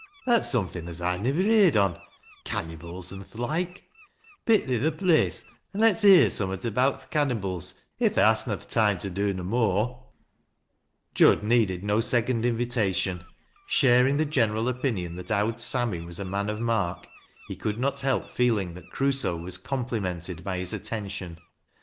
That's something as I nivver heard on— cannybles an' th' loike. Pick thee th' place, an' let's lioar Bummat about th' cannybles if tha has na th' toime to do no more." Jud needed no second invitation. Sharing the general opinion that " Owd Sammy " was a man of mark, he could not help feeling "that Crusoe was oomplimented by his attention.